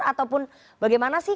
ataupun bagaimana sih